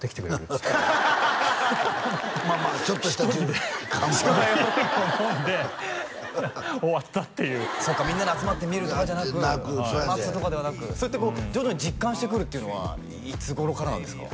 っつって１人でビールを飲んで終わったっていうそっかみんなで集まって見るとかじゃなく待つとかではなくそれってこう徐々に実感してくるっていうのはいつ頃からなんですか？